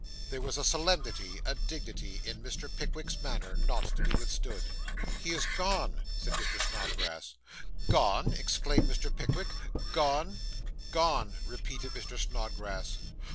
There was a solemnity a dignity in Mr. Pickwick's manner, not to be withstood. 'He is gone,' said Mr. Snodgrass. 'Gone!' exclaimed Mr. Pickwick. 'Gone!' 'Gone,' repeated Mr. Snodgrass.